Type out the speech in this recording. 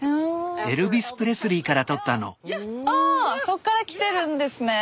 あそっからきてるんですね。